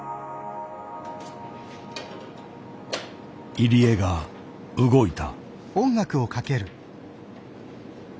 入江が動いた。